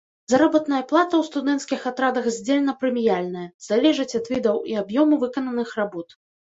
Заработная плата ў студэнцкіх атрадах здзельна-прэміяльная, залежыць ад відаў і аб'ёму выкананых работ.